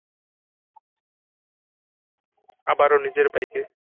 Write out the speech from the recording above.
আবারও নিজের ভাইকে।